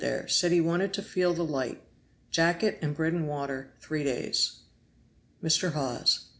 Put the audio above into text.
there; said he wanted to feel the light jacket, and bread and water three days.